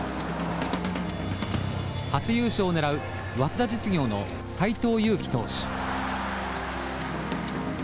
初優勝を狙う早稲田実業の斎藤佑樹投手。